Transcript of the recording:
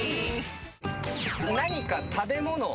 何か食べ物。